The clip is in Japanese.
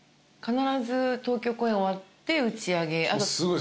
必ず東京公演終わって打ち上げ。